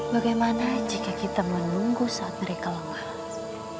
bagaimana jika kita menunggu saat mereka lemah